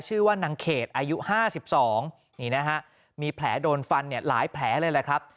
ชื่อว่านางเขตอายุ๕๒นี่นะฮะมีแผลโดนฟันเนี่ยหลายแผลเลยแหละครับ